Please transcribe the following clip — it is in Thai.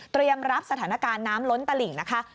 รับสถานการณ์น้ำล้นตลิ่งนะคะ